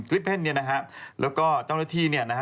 ก้ริปเพ่นต์นะฮะแล้วก็จ้องและที่นะฮะ